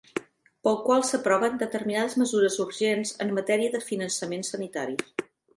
Pel qual s'aproven determinades mesures urgents en matèria de finançament sanitari.